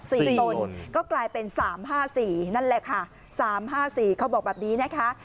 ตนก็กลายเป็นสามห้าสี่นั่นแหละค่ะสามห้าสี่เขาบอกแบบนี้นะคะ